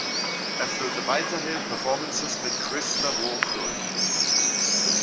Er führte weiterhin Performances mit Christa Wolf durch.